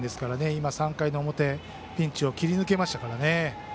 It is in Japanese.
今、３回表ピンチを切り抜けましたからね。